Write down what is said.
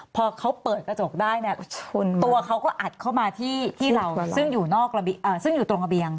พอเขาเปิดกระจกได้เนี่ยตัวเขาก็อัดเข้ามาที่เราซึ่งอยู่ซึ่งอยู่ตรงระเบียง